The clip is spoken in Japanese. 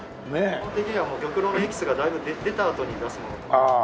基本的には玉露のエキスがだいぶ出たあとに出すものなので。